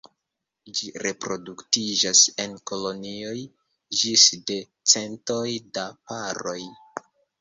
Ĝi reproduktiĝas en kolonioj ĝis de centoj da paroj.